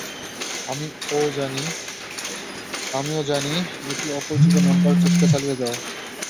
আমি ও জানি এটি অপরিচিত নাম্বার চেষ্টা চালিয়ে যাও।